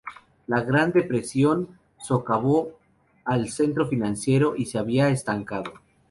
La Gran Depresión, socavó al centro financiero y se había estancado.